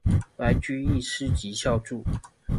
白居易诗集校注